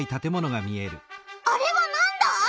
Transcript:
あれはなんだ？